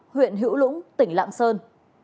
huyện hữu lũng tỉnh lạng sơn